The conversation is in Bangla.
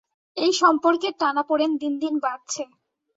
এই সম্পর্কের টানাপোড়েন দিন দিন বাড়ছে।